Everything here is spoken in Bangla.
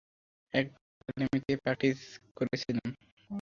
একবার অ্যাকাডেমীতে প্র্যাকটিস করেছিলাম।